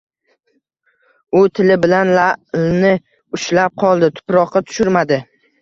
U tili bilan la`lni ushlab qoldi, tuproqqa tushirmadi